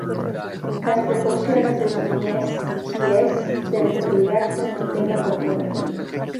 Las proporciones de sunníes y chiíes dentro de Irak son un tema controvertido.